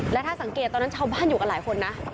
แล้วถ้าสังเกตตอนนั้นชาวบ้านอยู่กันหลายคนนะ